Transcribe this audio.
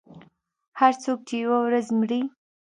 • هر څوک چې یوه ورځ مري.